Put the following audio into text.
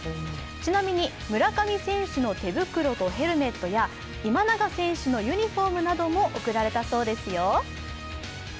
ちなみに村上選手の手袋とヘルメットや今永選手のユニフォームなども贈られたそうですよ。